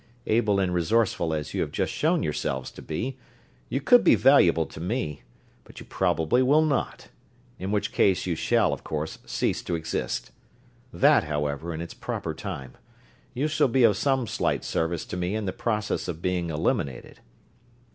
Able and resourceful as you have just shown yourselves to be, you could be valuable to me, but you probably will not in which case you shall, of course, cease to exist. That, however, in its proper time you shall be of some slight service to me in the process of being eliminated.